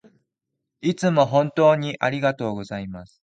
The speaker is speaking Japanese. いつも本当にありがとうございます